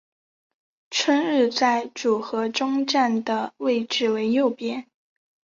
春日在组合中站的位置为右边。